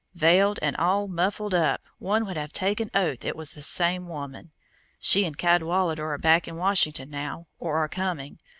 Veiled and all muffled up one would have taken oath it was the same woman. She and Cadwallader are back in Washington now, or are coming.